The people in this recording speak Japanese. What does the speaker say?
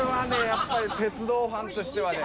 やっぱり鉄道ファンとしてはね。